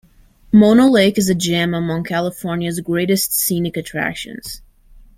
Mono Lake is a gem-among California's greatest scenic attractions.